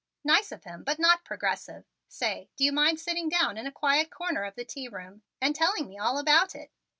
Nice of him but not progressive. Say, do you mind sitting down in a quiet corner of the tea room and telling me all about it?